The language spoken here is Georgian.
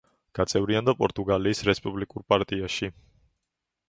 გაწევრიანდა პორტუგალიის რესპუბლიკური პარტიაში.